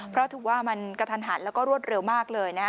เพราะถือว่ามันกระทันหันแล้วก็รวดเร็วมากเลยนะฮะ